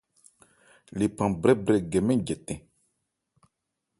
Lephan brɛ́brɛ gɛ mɛ́n jɛtɛ̂n.